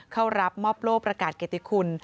เข้ารับมอบโลกประกาศเกติคุณ